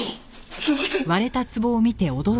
すみません。